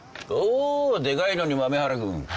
おでかいのに豆原君。